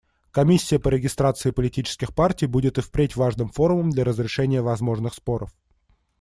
Комиссия по регистрации политических партий будет и впредь важным форумом для разрешения возможных споров.